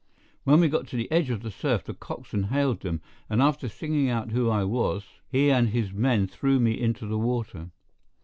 When we got to the edge of the surf the cockswain hailed them, and after singing out who I was, he and his men threw me into the water.